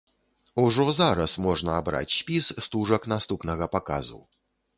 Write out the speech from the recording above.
Ужо зараз можна абраць спіс стужак наступнага паказу.